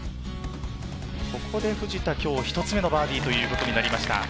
ここで藤田、今日１つ目のバーディーとなりました。